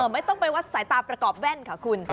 ไม่ต้องไปวัดสายตาประกอบแว่นค่ะคุณ